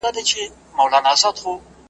پوهه انسان له ناپوهۍ ژغوري.